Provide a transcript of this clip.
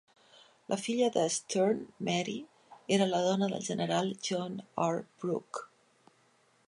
La filla de Stearn, Mary, era la dona del general John R. Brooke.